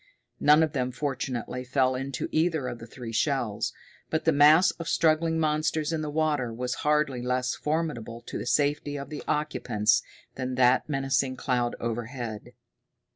None of them, fortunately, fell into either of the three shells, but the mass of struggling monsters in the water was hardly less formidable to the safety of the occupants than that menacing cloud overhead.